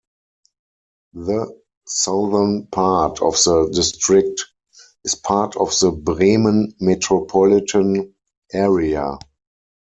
The southern part of the district is part of the Bremen metropolitan area.